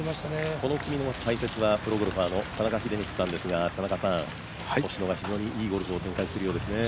この組の解説はプロゴルファーの田中秀道さんですが、堀川ここまでいいゴルフを展開しているようですね。